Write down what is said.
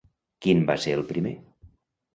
Quin va ser el primer?